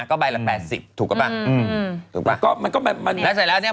ก็ใบละ๘๐บาทถูกกับปะแล้วเสร็จแล้วเนี่ย